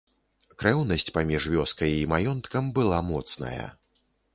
Крэўнасць паміж вёскай і маёнткам была моцная.